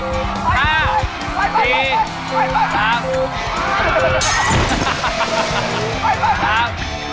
ทรัพย์